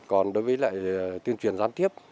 còn đối với lại tuyên truyền gián tiếp